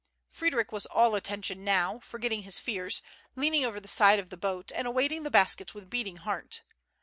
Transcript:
Frederic was all attention now, forgetting his fears, leaning over the side of the boat, and awaiting the baskets with beating heart.